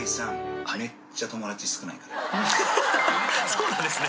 そうなんですね。